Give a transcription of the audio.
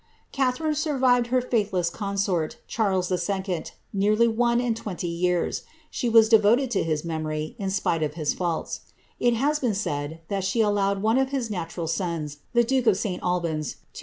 Catharine surviTed her faithless consortf Charles 11^ nearly oneai" twenty years ; she was devoted to his memory, in spite of his ianllSi b has heen said that she allowed one of his natural sons, the duke of & Albans, 2000